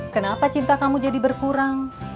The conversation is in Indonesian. kenapa cinta kamu jadi berkurang